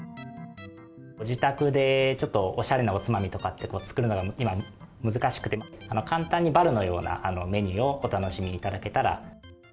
ご自宅でちょっとおしゃれなおつまみとかって作るのが今、難しくて、簡単にバルのようなメニューをお楽しみいただけたら。